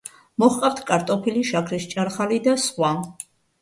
მოჰყავთ კარტოფილი, შაქრის ჭარხალი და სხვა.